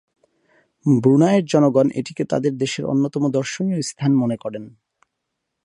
ব্রুনাইয়ের জনগণ এটিকে তাদের দেশের অন্যতম দর্শনীয় স্থান মনে করেন।